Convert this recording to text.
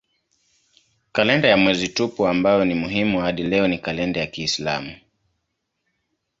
Kalenda ya mwezi tupu ambayo ni muhimu hadi leo ni kalenda ya kiislamu.